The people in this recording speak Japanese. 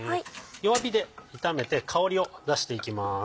弱火で炒めて香りを出していきます。